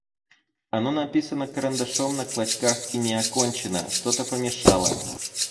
Оно написано карандашом на клочках и не окончено: что-то помешало.